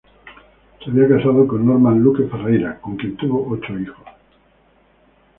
Se había casado con Norma Luque Ferreyra, con quien tuvo ocho hijos.